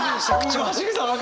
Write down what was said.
橋口さん？